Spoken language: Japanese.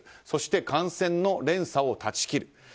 そして、感染の連鎖を断ち切る。